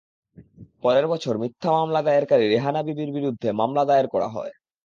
পরের বছর মিথ্যা মামলা দায়েরকারী রেহানা বিবির বিরুদ্ধে মামলা দায়ের করা হয়।